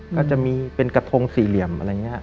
ก็จะมีเป็นกระทงสี่เหลี่ยมอะไรอย่างนี้